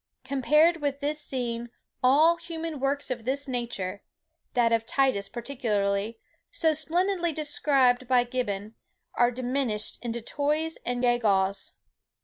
Compared with this scene all human works of this nature, that of Titus particularly, so splendidly described by Gibbon, are diminished into toys and gewgaws.